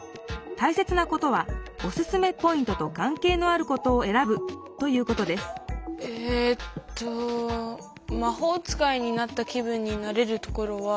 大切なことは「おすすめポイント」とかんけいのあることをえらぶということですえっと「まほう使いになった気分になれるところ」は。